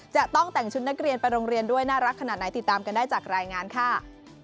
จะต้องแต่งชุดนักเรียนไปโรงเรียนด้วยน่ารักขนาดไหนติดตามกันได้จากรายงานค่ะ